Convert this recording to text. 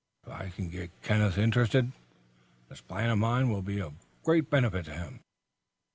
If I can get Kenneth interested, this plan of mine will be of great benefit to him."